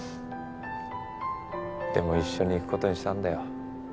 でも一緒に行くことにしたんだよ